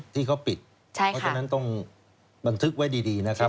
ที่เขาปิดเพราะฉะนั้นต้องบันทึกไว้ดีนะครับ